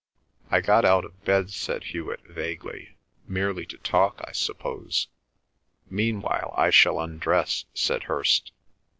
"I got out of bed," said Hewet vaguely, "merely to talk I suppose." "Meanwhile I shall undress," said Hirst.